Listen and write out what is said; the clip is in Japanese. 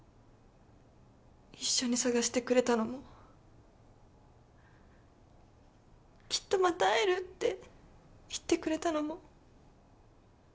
一緒に捜してくれたのもきっとまた会えるって言ってくれたのも。